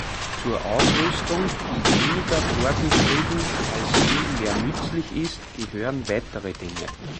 Zur Ausrüstung, die weniger vorgeschrieben als vielmehr nützlich ist, gehören weitere Dinge.